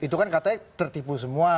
itu kan katanya tertipu semua